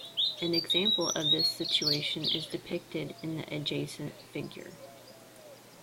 An example of this situation is depicted in the adjacent figure.